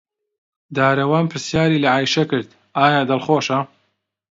دارەوان پرسیاری لە عایشە کرد ئایا دڵخۆشە.